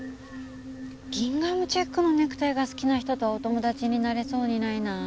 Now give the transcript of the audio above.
ギンガムチェックのネクタイが好きな人とはお友達になれそうにないなぁ。